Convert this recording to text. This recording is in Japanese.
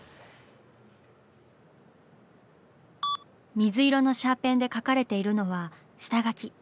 水色のシャーペンで描かれているのは下描き。